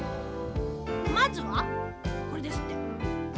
まずはこれですって。